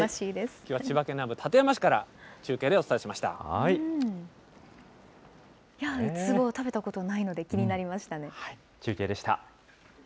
きょうは千葉県南部、館山市ウツボ、食べたことないので、中継でした。